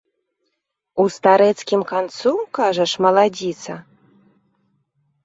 У старэцкім канцу, кажаш, маладзіца?